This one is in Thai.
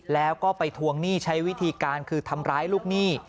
แล้วก็ไปทวงหนี้ใช้วิธีการคือทำร้ายลูกหนี้